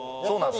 そう